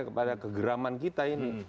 kepada kegeraman kita ini